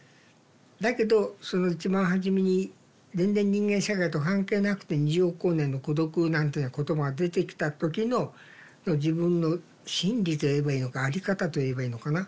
だけどその一番初めに全然人間社会と関係なくて「二十億光年の孤独」なんて言葉が出てきた時の自分の真理といえばいいのか在り方といえばいいのかな。